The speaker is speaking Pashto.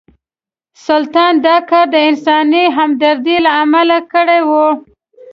سلطان دا کار د انساني همدردۍ له امله کړی و.